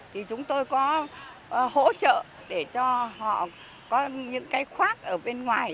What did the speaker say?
thì chúng tôi có hỗ trợ để cho họ có những cái khoác ở bên ngoài